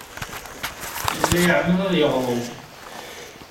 Yella iεemmed ad yeɣleḍ.